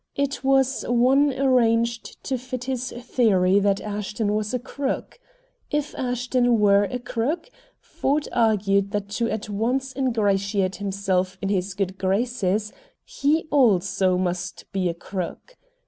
It was one arranged to fit with his theory that Ashton was a crook. If Ashton were a crook Ford argued that to at once ingratiate himself in his good graces he also must be a crook.